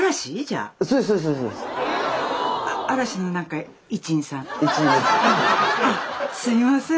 あっすいません。